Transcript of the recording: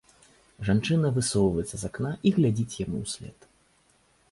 Жанчына высоўваецца з акна і глядзіць яму ўслед.